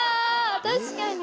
確かに！